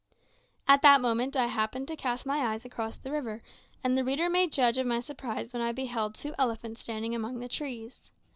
At that moment I happened to cast my eyes across the river, and the reader may judge of my surprise when I beheld two elephants standing among the trees.